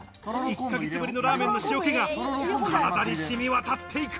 １ヶ月ぶりのラーメンの塩気が体に染み渡っていく。